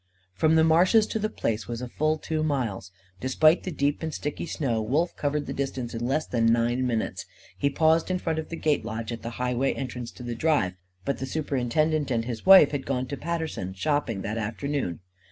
From the marshes to The Place was a full two miles. Despite the deep and sticky snow, Wolf covered the distance in less than nine minutes. He paused in front of the gate lodge, at the highway entrance to the drive. But the superintendent and his wife had gone to Paterson, shopping, that afternoon.